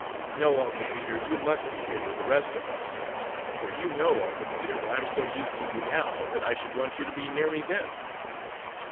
"No, Uncle Peter, you must be here with the rest of us. For you know, Uncle Peter, I'm so used to you now, that I should want you to be near me then."